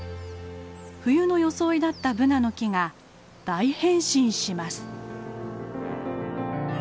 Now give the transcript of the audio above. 冬の装いだったブナの木が大変身します。